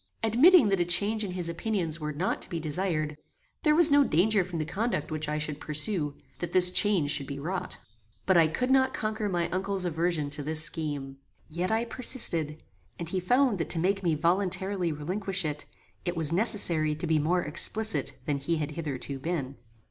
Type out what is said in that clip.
Admitting that a change in his opinions were not to be desired, there was no danger from the conduct which I should pursue, that this change should be wrought. But I could not conquer my uncle's aversion to this scheme. Yet I persisted, and he found that to make me voluntarily relinquish it, it was necessary to be more explicit than he had hitherto been.